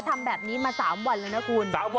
ทำแบบนี้มา๓วันแล้วนะคุณ